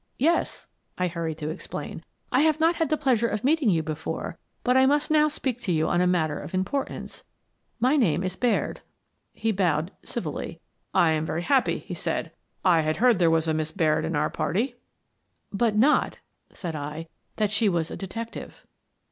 " Yes," I hurried to explain. " I hatfe not had the pleasure of meeting you before, but I must now speak to you on a matter of importance. My name is Baird." He bowed civilly. "lam very happy," he said. " I had heard that there was a Miss Baird in our party." " But not," said I, " that she was a detective."